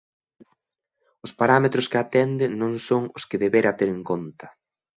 Os parámetros que atende non son os que debera ter en conta.